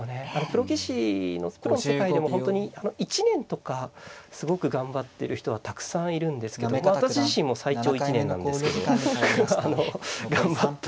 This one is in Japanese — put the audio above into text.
プロ棋士のプロの世界でも本当に１年とかすごく頑張ってる人はたくさんいるんですけど私自身も最長１年なんですけど頑張ったの。